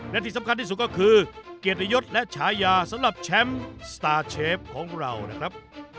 และที่สำคัญที่สุดก็คือเกียรติยศและฉายาสำหรับแชมป์สตาร์เชฟของเรานะครับ